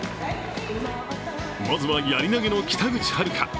まずはやり投げの北口榛花。